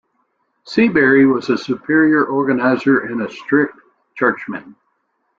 Seabury was a superior organizer and a strict churchman.